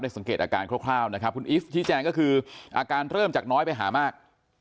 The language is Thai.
สังเกตอาการคร่าวนะครับคุณอีฟชี้แจงก็คืออาการเริ่มจากน้อยไปหามาก